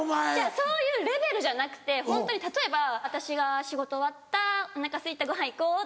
そういうレベルじゃなくてホントに例えば私が仕事終わったお腹すいたごはん行こうとか。